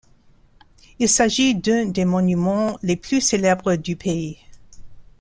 Il s'agit d'un des monuments les plus célèbres du pays.